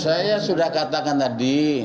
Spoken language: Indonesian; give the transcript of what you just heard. saya sudah katakan tadi